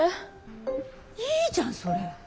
いいじゃんそれ。